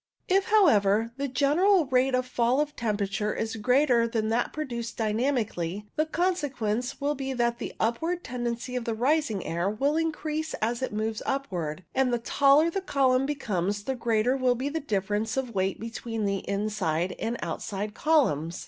If, however, the general rate of fall of tempera ture is greater than that produced dynamically, the consequence will be that the upward tendency of the rising air will increase as it moves upward, and the taller the column becomes the greater will be the difference of weight between the inside and outside columns.